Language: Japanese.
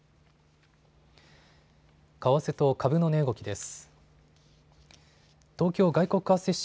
為替と株の値動きです。